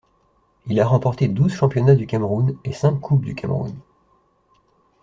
Il a remporté douze championnats du Cameroun et cinq coupes du Cameroun.